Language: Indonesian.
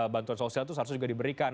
bantuan sosial itu seharusnya juga diberikan